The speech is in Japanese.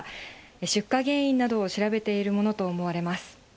出火原因などを調べているものと思われます。